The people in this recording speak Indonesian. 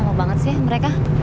lama banget sih mereka